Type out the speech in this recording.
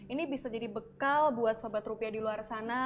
ini bisa jadi bekal buat sobat rupiah di luar sana